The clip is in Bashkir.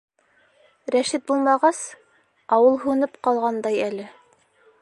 Рәшит булмағас, ауыл һүнеп ҡалғандай әле.